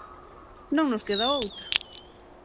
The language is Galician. Non nos queda outra!